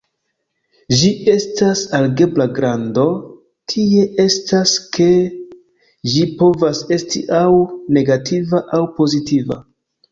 Ĝi estas algebra grando, tie estas, ke ĝi povas esti aŭ negativa aŭ pozitiva.